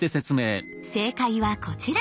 正解はこちら！